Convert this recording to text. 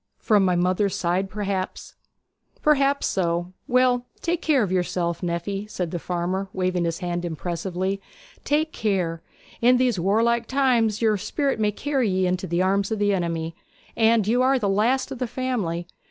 'From my mother's side, perhaps.' 'Perhaps so. Well, take care of yourself, nephy,' said the farmer, waving his hand impressively. 'Take care! In these warlike times your spirit may carry ye into the arms of the enemy; and you are the last of the family.